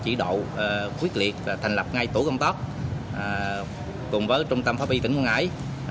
chỉ đạo quyết liệt thành lập ngay tổ công tóc cùng với trung tâm pháp y tỉnh quang ngãi